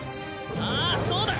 ああそうだ。